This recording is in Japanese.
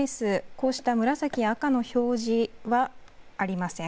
こうした紫や赤の表示はありません。